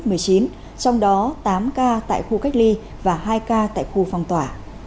hà nội ghi nhận một mươi ca covid một mươi chín trong đó tám ca tại khu cách ly và hai ca tại khu phong tỏa